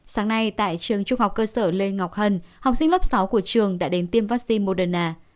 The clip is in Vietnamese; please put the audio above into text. sáng nay tại trường trung học cơ sở lê ngọc hân học sinh lớp sáu của trường đã đến tiêm vaccine moderna